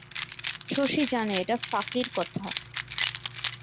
শশী জানে এটা ফাঁকির কথা।